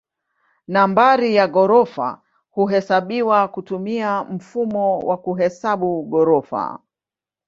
Nambari ya ghorofa huhesabiwa kutumia mfumo wa kuhesabu ghorofa.